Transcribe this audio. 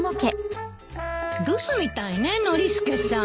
☎留守みたいねノリスケさん。